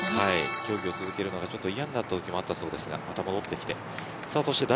競技を続けるのが嫌になったときもあったそうですがまた戻ってきました。